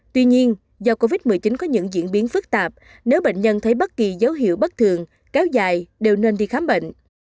tuy nhiên do covid một mươi chín có những diễn biến phức tạp nếu bệnh nhân thấy bất kỳ dấu hiệu bất thường kéo dài đều nên đi khám bệnh